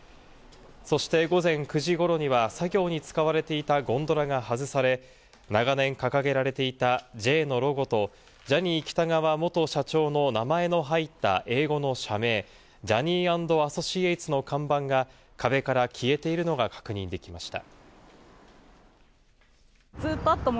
そして午前９時ごろには、作業に使われていたゴンドラが外され、長年掲げられていた「Ｊ」のロゴとジャニー喜多川元社長の名前の入った英語の社名、Ｊｏｈｎｎｙ＆Ａｓｓｏｃｉａｔｅｓの看板が壁から消えているのが確認できました。